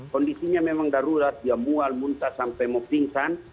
kondisinya memang darurat dia mual muntah sampai mau pingsan